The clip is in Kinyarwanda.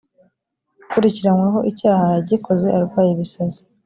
ukurikiranyweho icyaha yagikoze arwaye ibisazi